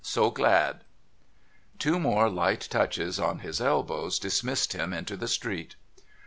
So glad !' Two more light touches on his elbows dismissed him into the street.